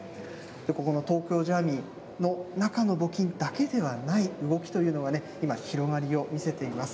ここの東京ジャーミイの中の募金だけではない動きというのは、今、広がりを見せています。